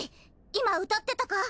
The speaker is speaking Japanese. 今歌ってたか？